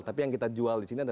tapi yang kita jual disini